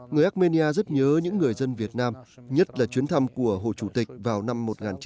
người armenia rất nhớ những người dân việt nam nhất là chuyến thăm của hồ chủ tịch vào năm một nghìn chín trăm bảy mươi